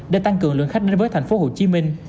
để tăng cường lượng khách đến với thành phố hồ chí minh